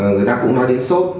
người ta cũng nói đến sốt